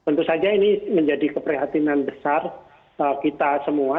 tentu saja ini menjadi keprihatinan besar kita semua